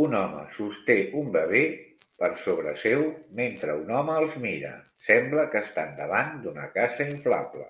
Un home sosté un bebè per sobre seu mentre un home els mira. Sembla que estan davant d'una casa inflable.